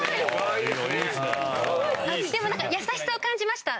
でもなんか優しさを感じました。